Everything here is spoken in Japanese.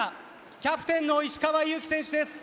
キャプテンの石川祐希選手です。